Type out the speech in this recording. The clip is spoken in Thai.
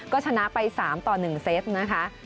ก็ชนะไป๓ต่อ๑เซตนะคะ